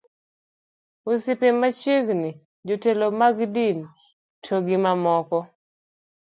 osiepe machiegni, jotelo mag din to gi mamoko